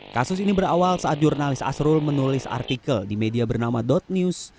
kasus ini berawal saat jurnalis asrul menulis artikel di media bernama news